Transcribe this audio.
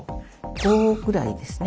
５くらいですね。